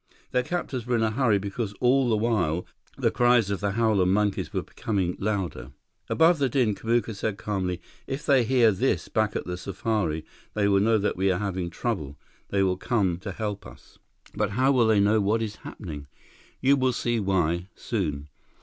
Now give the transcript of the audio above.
Their captors were in a hurry because all the while, the cries of the howler monkeys were becoming louder. Above the din, Kamuka said calmly, "If they hear this back at the safari, they will know that we are having trouble. They will come to help us." "But how will they know what is happening?" "You will see why. Soon."